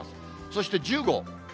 そして１０号。